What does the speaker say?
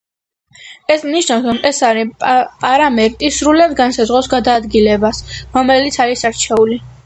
ეს ნიშნავს, რომ ეს სამი პარამეტრი სრულად განსაზღვრავს გადაადგილებას, რომელიც არის არჩეული.